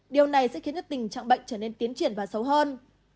điều này sẽ khiến tình trạng bệnh trở nên tiến triển và sâu hơn